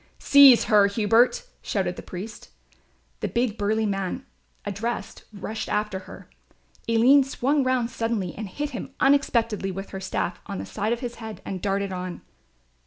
"Seize her, Hubert," shouted the priest. The big burly man, addressed, rushed after her. Aline swung round suddenly and hit him unexpectedly with her staff on the side of his head and darted on.